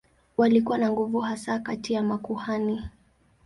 Walikuwa na nguvu hasa kati ya makuhani.